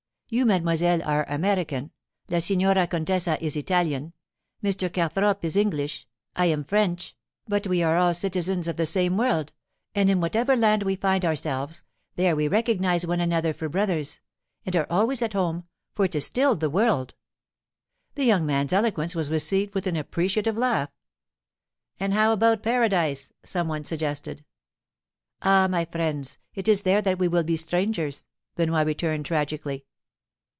You, mademoiselle, are American, La Signora Contessa is Italian, Mr. Carthrope is English, I am French, but we are all citizens of the same world, and in whatever land we find ourselves, there we recognize one another for brothers, and are always at home; for it is still the world.' The young man's eloquence was received with an appreciative laugh. 'And how about paradise?' some one suggested. 'Ah, my friends, it is there that we will be strangers!' Benoit returned tragically.